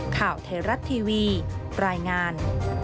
ข่าวไทยรัฐทีวีรายงาน